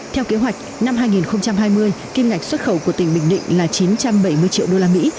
theo kế hoạch năm hai nghìn hai mươi kim ngạch xuất khẩu của tỉnh bình định là chín trăm bảy mươi triệu đô la mỹ